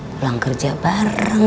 pulang kerja bareng